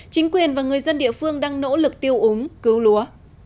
chính quyền và người dân địa phương đang nỗ lực tiêu úng cứu lúa